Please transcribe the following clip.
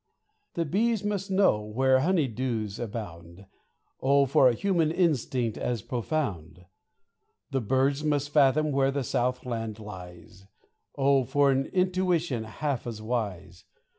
The bees must know where honey dews abound ; Oh, for a human instinct as profound ! The birds must fathom where the south land lies; Oh, for an intuition half as wise